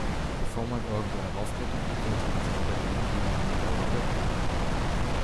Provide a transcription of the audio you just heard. Bevor man irgendwo heraufklettert, sollte man sich überlegen, wie man wieder runter kommt.